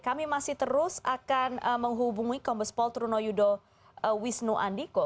kami masih terus akan menghubungi kombes pol truno yudo wisnu andiko